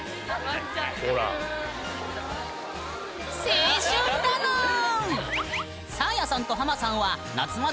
青春だぬん！ね？